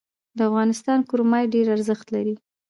د افغانستان کرومایټ ډیر ارزښت لري